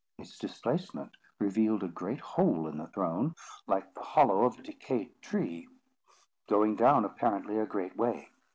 Its displacement revealed a great hole in the throne, like the hollow of a decayed tree, going down apparently a great way.